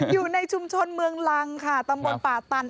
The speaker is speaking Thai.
อยู่ในชุมชนเมืองรังค่ะตำบลป่าตัน